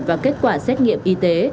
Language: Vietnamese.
và kết quả xét nghiệm y tế